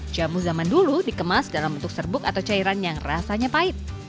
jamu zaman dulu dikemas dalam bentuk serbuk atau cairan yang rasanya pahit